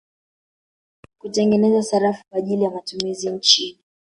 Kutengeneza sarafu kwa ajili ya matumizi nchini